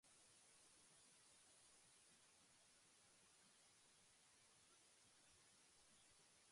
君は写真集を生垣の中から大事そうに取り出すと、ぎゅっと抱きしめ、僕はよかったねと声をかける